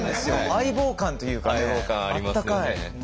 相棒感というかねあったかい。